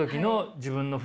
自分の服！